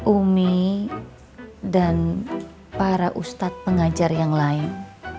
umi dan para ustadz pengajar yang lain